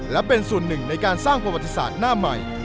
และเป็นส่วนหนึ่งในการสร้างประวัติศาสตร์หน้าใหม่